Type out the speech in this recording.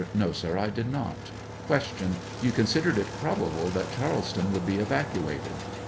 No, sir; I did not. Q. You considered it probable that Charleston would be evacuated?